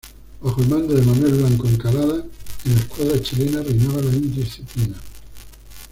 Bajo el mando de Manuel Blanco Encalada, en la escuadra chilena reinaba la indisciplina.